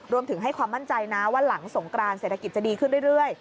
รวมถึงให้ความมั่นใจนะว่าหลังสงกรานเศรษฐกิจจะดีขึ้นเรื่อย